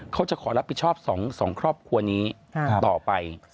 เขาจะขอรับผิดชอบ๒ครอบครัวนี้ต่อไป